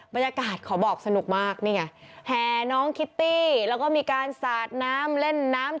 บรรยากาศขอบอกสนุกมากนี่ไงแห่น้องคิตตี้แล้วก็มีการสาดน้ำเล่นน้ำ